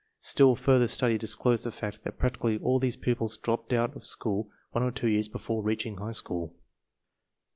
Still further study disclosed the fact that practically all these pupils dropped out of school one or two years before reaching high school.